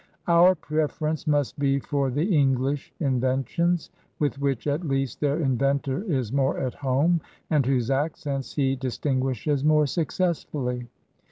Our preference must be for the EngUsh inventions, with which at least their inventor is more at home, and whose accents he dis tinguishes more successfully.